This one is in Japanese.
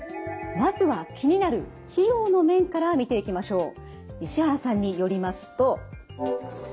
まずは気になる費用の面から見ていきましょう。